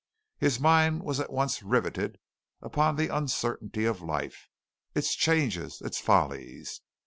His mind was once more riveted upon the uncertainty of life, its changes, its follies.